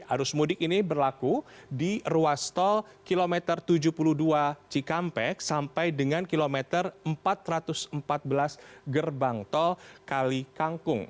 arus mudik ini berlaku di ruas tol kilometer tujuh puluh dua cikampek sampai dengan kilometer empat ratus empat belas gerbang tol kali kangkung